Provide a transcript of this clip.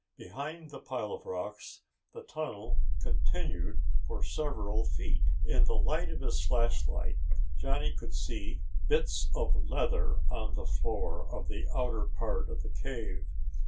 Behind the pile of rocks the tunnel continued for several feet. In the light of his flashlight Johnny could see bits of leather on the floor of the outer part of the cave.